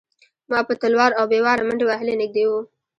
ما په تلوار او بې واره منډې وهلې نږدې و.